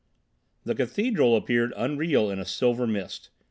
The cathedral appeared unreal in a silver mist.